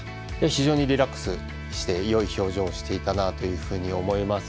非常にリラックスしていい表情をしていたと思います。